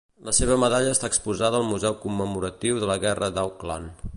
La seva medalla està exposada al museu commemoratiu de la guerra d'Auckland.